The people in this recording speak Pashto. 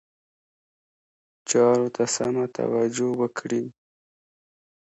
چارو ته سمه توجه وکړي.